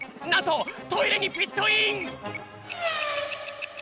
なんとトイレにピットイン！